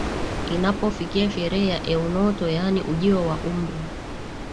Inapofikia sherehe ya eunoto yaani ujio wa umri